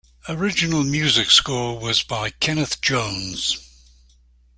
Original music score was by Kenneth Jones.